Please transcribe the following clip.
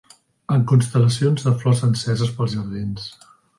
...en constel·lacions de flors enceses pels jardins